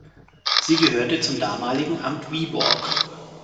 Sie gehörte zum damaligen Amt Viborg.